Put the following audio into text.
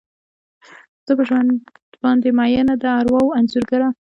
زه په ژوند باندې میینه، د ارواوو انځورګره